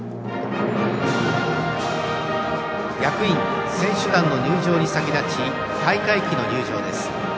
役員・選手団の入場に先立ち大会旗の入場です。